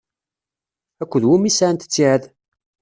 Akked wumi i sɛant ttiɛad?